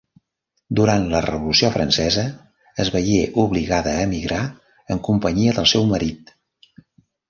Durant la Revolució francesa es veié obligada a emigrar, en companyia del seu marit.